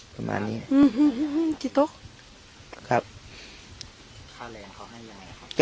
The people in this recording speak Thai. ประมาณนี้อื้อฮือฮือฮือกี่โต๊ะครับข้าวแรงเขาให้ยังไง